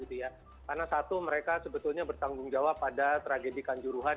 karena satu mereka sebetulnya bertanggung jawab pada tragedi kanjuruhan